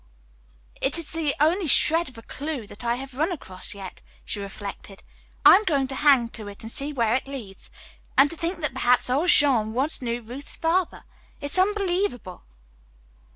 "It is the only shred of a clew that I have run across yet," she reflected. "I am going to hang to it and see where it leads. And to think that perhaps old Jean once knew Ruth's father. It's unbelievable."